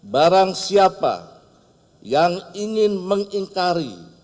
barang siapa yang ingin mengingkari